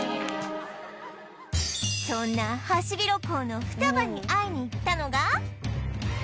そんなハシビロコウのふたばに会いに行ったのが